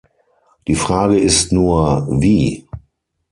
Die Frage ist nur, wie.